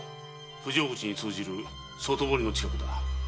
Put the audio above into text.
不浄口に通じる外堀の近くだ。